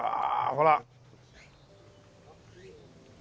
ほら。